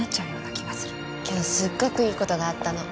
今日すっごくいいことがあったの。